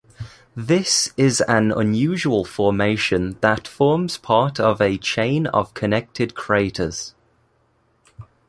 This is an unusual formation that forms part of a chain of connected craters.